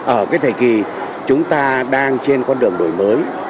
ở cái thời kỳ chúng ta đang trên con đường đổi mới